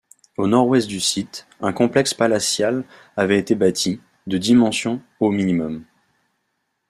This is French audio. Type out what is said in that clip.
Au nord-ouest du site, un complexe palatial avait été bâti, de dimensions au minimum.